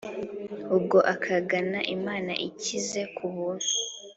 ubwo akagana imana ikize ku buntu